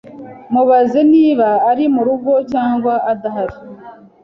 Mubaze niba ari murugo cyangwa adahari.